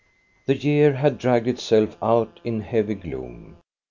The year had dragged itself out in heavy gloom.